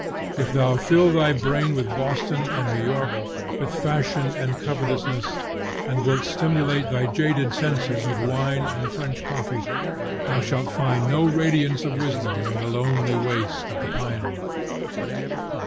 If thou fill thy brain with Boston and New York, with fashion and covetousness, and wilt stimulate thy jaded senses with wine and French coffee, thou shalt find no radiance of wisdom in the lonely waste of the pinewoods.